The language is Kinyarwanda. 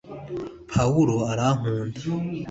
pawulo arankunda